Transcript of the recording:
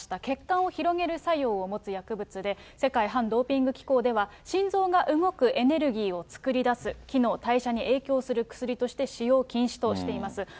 血管を広げる作用を持つ薬物で、世界反ドーピング機構では、心臓が動くエネルギーを作り出す機能、代謝に影響する薬として使用禁止としています。